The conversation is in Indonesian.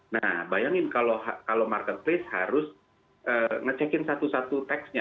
nah bayangkan kalau marketplace harus mengecek satu satu teksnya